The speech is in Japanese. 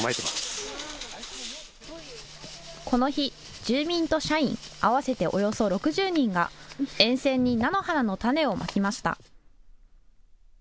この日、住民と社員合わせておよそ６０人が沿線に菜の花の種をまきました。